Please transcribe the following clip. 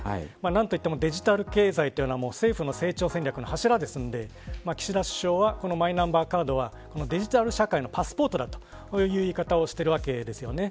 何と言ってもデジタル経済というのは政府の成長戦略の柱ですので岸田首相は、マイナンバーカードデジタル社会のパスポートだという言い方をしているわけです。